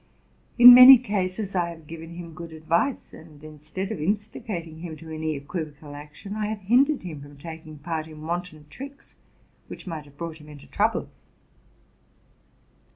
In many cases I have given him good advice; and, instead of instigating him to any equivocal action, I have hindered him from taking part in wanton tricks, which might have brought him into trouble.